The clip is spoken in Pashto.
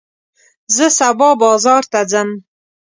زه سبا بازار ته ځم.